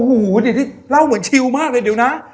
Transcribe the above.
โห้สิเศษแล้วเว้นชีวมากเลยเดี๋ยวนะ